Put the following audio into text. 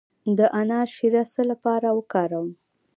د انار شیره د څه لپاره وکاروم؟